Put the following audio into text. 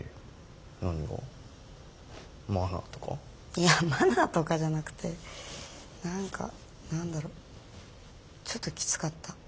いやマナーとかじゃなくて何か何だろちょっときつかった。